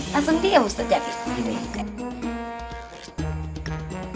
langsung dia ustadz jadi begini